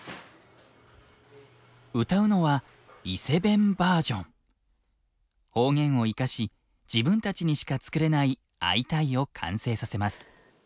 歌うのは方言を生かし自分たちにしか作れない「アイタイ！」を完成させます。